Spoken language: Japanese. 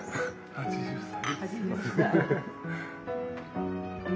８０歳。